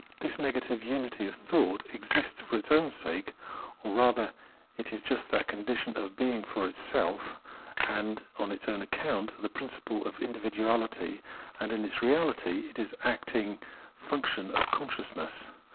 This negative unity of thought exists for its own sake, or rather it is just that condition of being for itself and on its own account, the principle of individuahty, and in its reality it is an acting function of consciousness.